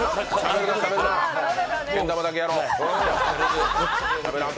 けん玉だけやろう。